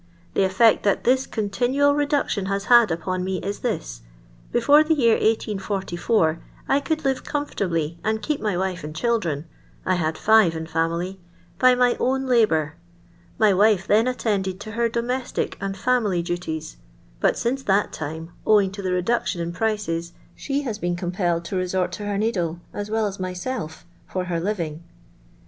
The eifect that this continual reduction has had upon me is this : Before the year lS4 t I could live com fortahly, and kiep my wife and children »I had live in family) by my own la'oour. My wife then attended to her domestic and family duties : bat since that time, owing to the reduction in prices, she has been compelled to resort to her needle, as childnn I should lie obliged to employ them all | well as myself, for her living."